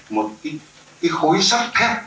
một cái khối sắc thép